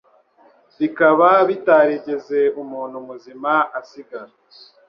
Bikaba bitarigeze umuntu muzima asigara